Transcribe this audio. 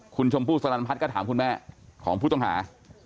คุณชมพู่สลันพัฒน์ก็ถามคุณแม่ของผู้ต้องหา